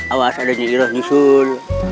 awas ada nyeiroh nyusul